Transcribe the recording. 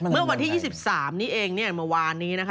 เมื่อวันที่๒๓นี้เองเนี่ยเมื่อวานนี้นะคะ